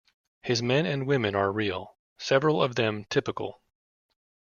His men and women are real, several of them typical.